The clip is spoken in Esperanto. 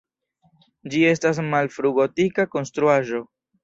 Ĝi estas malfrugotika konstruaĵo.